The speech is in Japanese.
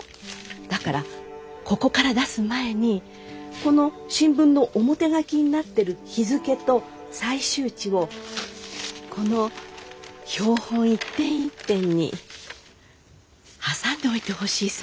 だからここから出す前にこの新聞の表書きになってる日付と採集地をこの標本一点一点に挟んでおいてほしいそうなの。